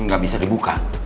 gak bisa dibuka